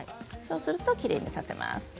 そうするときれいに挿せます。